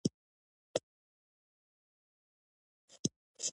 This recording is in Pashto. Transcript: هغه د بودايي معبدونو ستاینه کړې